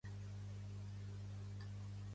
Les espècies es troben a Samoa i a Indonèsia.